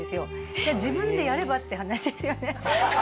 じゃあ自分でやれば？って話ですよね。